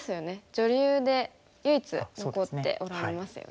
女流で唯一残っておられますよね。